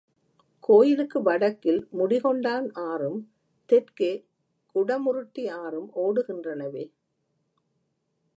கோயிலுக்கு வடக்கில் முடி கொண்டான் ஆறும், தெற்கே குடமுருட்டி ஆறும் ஓடுகின்றனவே!